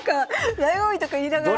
だいご味とか言いながら。